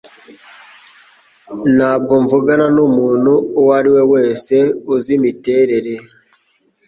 Ntabwo mvugana numuntu uwo ari we wese uzi imiterere.